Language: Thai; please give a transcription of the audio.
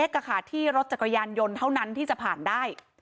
ที่รถจักรยานยนต์เท่านั้นที่จะผ่านได้